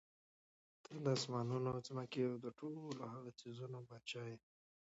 ته د آسمانونو، ځمکي او د ټولو هغو څيزونو باچا ئي